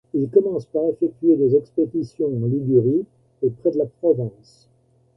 Il commence par effectuer des expéditions en Ligurie et près de la Provence.